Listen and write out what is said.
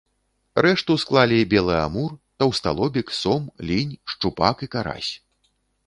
Рэшту склалі белы амур, таўсталобік, сом, лінь, шчупак і карась.